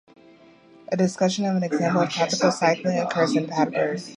A discussion of an example of practical cycling occurs in Padberg.